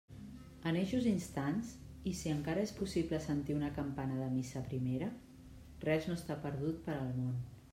En eixos instants, i si encara és possible sentir una campana de missa primera, res no està perdut per al món.